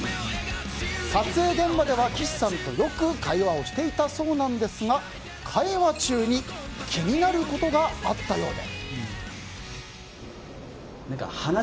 撮影現場では岸さんとよく会話をしていたそうなんですが会話中に気になることがあったようで。